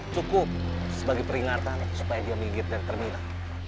cukup sebagai peringatan supaya dia minggir dari terminal